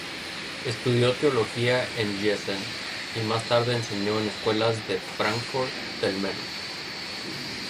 Estudió teología en Giessen, y más tarde enseñó en escuelas de Fráncfort del Meno.